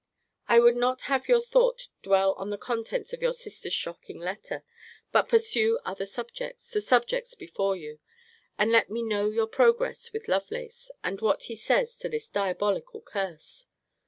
I would not have your thought dwell on the contents of your sister's shocking letter; but pursue other subjects the subjects before you. And let me know your progress with Lovelace, and what he says to this diabolical curse.